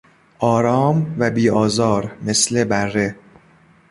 آرام و بی آزار مثل بره